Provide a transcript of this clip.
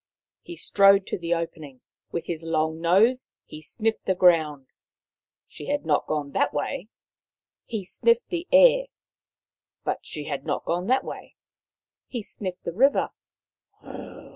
He strode to the opening. With his long nose he sniffed the ground ; she had not gone that way. He sniffed the air, but she had not gone that way. He sniffed the river.